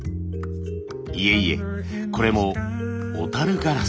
いえいえこれも小ガラス。